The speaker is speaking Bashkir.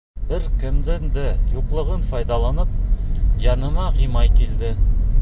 Бер кемдең дә юҡлығын файҙаланып, яныма Ғимай килде.